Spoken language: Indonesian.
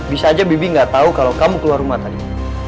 bisa aja bibi gak tau kalo kamu keluar rumah tadi